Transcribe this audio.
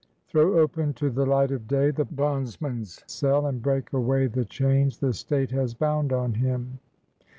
Throw open to the light of day The bondman's cell, and break away The chains the State has bound on him